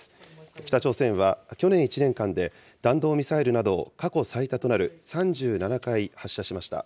北朝鮮は去年１年間で、弾道ミサイルなどを過去最多となる３７回発射しました。